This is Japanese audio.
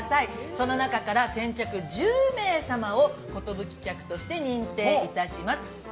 その中から、先着１０名様を、寿客として認定します。